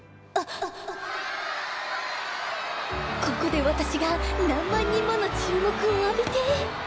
ここで私が何万人もの注目を浴びて。